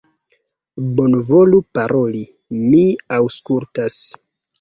Bonvolu paroli, mi aŭskultas!